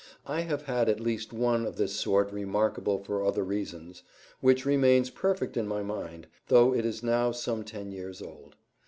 I have had at least one of this sort, remarkable for other reasons, which remains perfect in my mind, though it is now some ten years old.